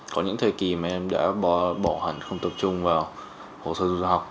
có những thời kỳ mà em đã bỏ hẳn không tập trung vào hồ sơ du học